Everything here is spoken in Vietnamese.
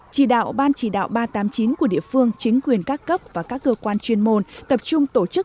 chỉ đạo ban chỉ đạo ba trăm tám mươi chín của địa phương chính quyền các cấp và các cơ quan chuyên môn tập trung tổ chức